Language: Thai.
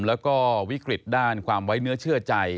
แล้วก็วิกฤตด้านความไว้เนื้อเชื่อใจ